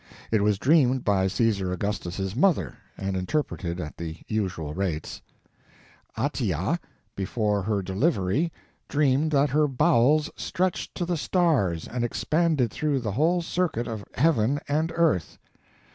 It was dreamed by Caesar Augustus's mother, and interpreted at the usual rates: Atia, before her delivery, dreamed that her bowels stretched to the stars and expanded through the whole circuit of heaven and earth.